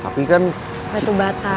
tapi kan batu bata